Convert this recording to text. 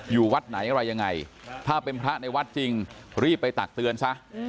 อยู่วัดไหนอะไรยังไงถ้าเป็นพระในวัดจริงรีบไปตักเตือนซะ